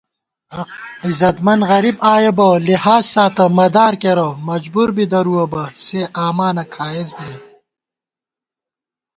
عزتمند غریب آیَہ بہ لحاظ ساتہ مدارکېرہ * مجبُور بی درُوَہ بہ سےآمانہ کھائیس بی نئ